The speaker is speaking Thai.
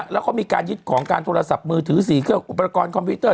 แล้วก็มีการยึดของการโทรศัพท์มือถือ๔เครื่องอุปกรณ์คอมพิวเตอร์